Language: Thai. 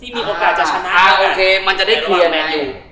มันจะได้เคลียร์แมนยู